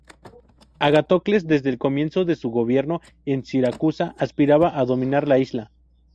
Agatocles desde el comienzo de su gobierno en Siracusa aspiraba a dominar la isla.